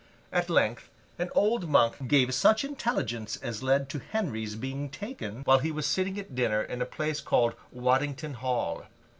At length, an old monk gave such intelligence as led to Henry's being taken while he was sitting at dinner in a place called Waddington Hall.